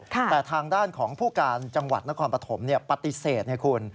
แต่ทางด้านของผู้การจังหวัดนครปฐมปฏิเสธไงคุณ